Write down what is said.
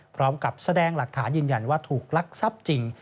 พร้อมกับแสดงหลักฐานยืนยันว่าถูกลักทรัพย์จริง